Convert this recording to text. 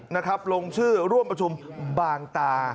นะครับลงชื่อร่วมประชุมบางตา